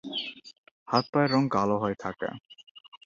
হাত-পায়ের রং কালো হয়ে থাকে।